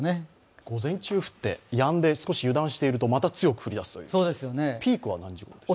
午前中降ってやんで、少し油断してるとまた強く降り出すという、ピークは何時ごろですか？